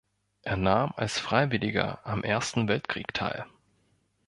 Er nahm als Freiwilliger am Ersten Weltkrieg teil.